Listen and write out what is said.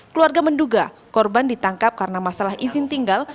keluarga menduga korban ditangkap karena masalah izin tinggal